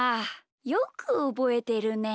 よくおぼえてるね！